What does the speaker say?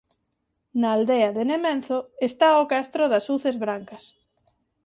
Na aldea de Nemenzo está o castro das Uces Brancas.